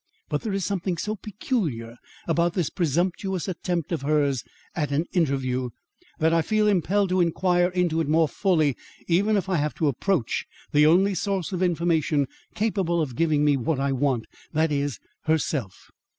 But there is something so peculiar about this presumptuous attempt of hers at an interview, that I feel impelled to inquire into it more fully, even if I have to approach the only source of information capable of giving me what I want that is, herself.